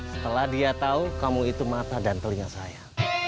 setelah dia tahu kamu itu mata dan telinga saya